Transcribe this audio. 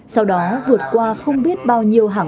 sau đó vượt qua không biết bao nhiêu hàng